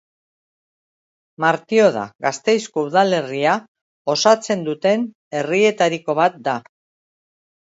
Martioda Gasteizko udalerria osatzen duten herrietariko bat da.